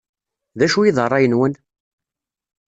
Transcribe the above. D acu i d rray-nwen?